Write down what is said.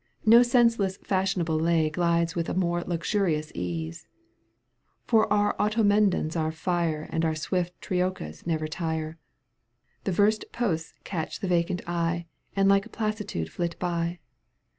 No senseless fashionable lay Glides with a more luxurious ease ; For our Automedons are fire And our swift troikas never tire ; The verst posts catch the vacant eye And like a palissade flit by.